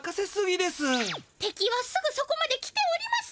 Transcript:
てきはすぐそこまで来ております！